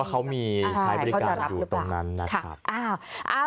ว่าเค้ามีขายปฎิการอยู่ตรงนั้นนะครับ